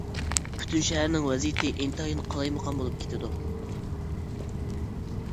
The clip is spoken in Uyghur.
پۈتۈن شەھەرنىڭ ۋەزىيىتى ئىنتايىن قالايمىقان بولۇپ كېتىدۇ.